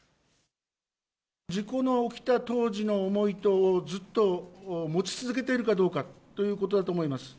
事故の起きた当時の思いをずっと持ち続けているかどうかということだと思います。